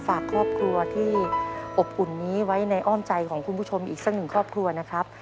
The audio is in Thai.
ฝากครอบครัวที่อบอุ่นนี้ไว้ในอ้อมใจของคุณผู้ชมอีกสักหนึ่งครอบครัวนะครับ